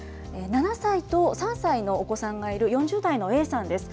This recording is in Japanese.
７歳と３歳のお子さんがいる４０代のＡさんです。